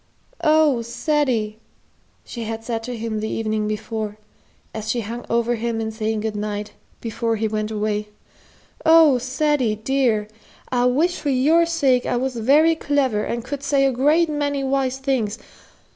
"Oh, Ceddie!" she had said to him the evening before, as she hung over him in saying good night, before he went away; "oh, Ceddie, dear, I wish for your sake I was very clever and could say a great many wise things!